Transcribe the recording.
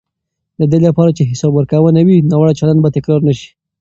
د دې لپاره چې حساب ورکونه وي، ناوړه چلند به تکرار نه شي.